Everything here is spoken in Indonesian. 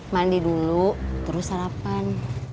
mandi dulu terus sarapan